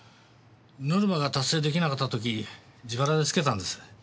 ノルマが達成出来なかった時自腹でつけたんです。